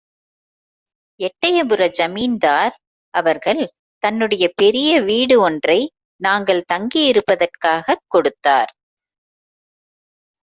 எட்டையபுர ஜமீன்தார் அவர்கள் தன்னுடைய பெரிய வீடு ஒன்றை நாங்கள் தங்கியிருப்பதற்காகக் கொடுத்தார்.